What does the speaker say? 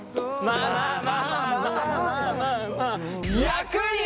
まあまあまあまあ。